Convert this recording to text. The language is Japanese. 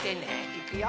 いくよ。